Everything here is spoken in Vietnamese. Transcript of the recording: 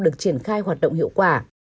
được triển khai hoạt động hiệu quả